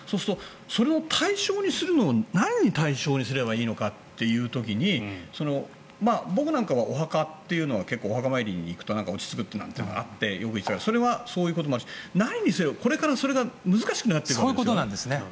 その対象にするのを何を対象にすればいいのかという時に僕なんかは、お墓というのはお墓参りに行くと落ち着くというのがあってよく行ってたというのはそういうことで何にせよ、これからそれが難しくなっていくということなんですね。